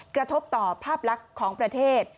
กระทบต่อภาพลักษณ์ของประเทศ